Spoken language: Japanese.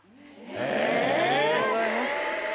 え！